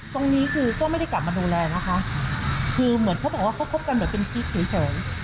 ตรงนี้คือก็ไม่ได้กลับมาดูแลนะคะคือเหมือนเขาบอกว่าเขาคบกันแบบเป็นพีคเฉย